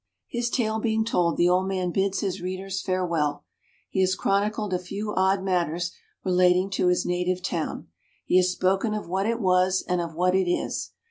His tale being told the old man bids his readers farewell. He has chronicled a few odd matters relating to his native town. He has spoken of what it was, and of what it is.